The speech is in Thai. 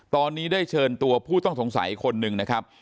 ตอนนี้ได้เชิญตัวผู้ต้องสงสัยคนหนึ่งนะครับ